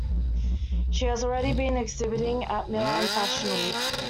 She had already been exhibiting at Milan fashion week.